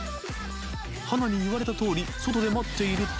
［華に言われたとおり外で待っていると］